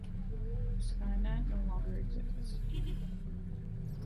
Skynet no longer exists.